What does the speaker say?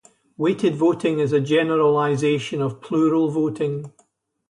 Weighted voting is a generalisation of plural voting.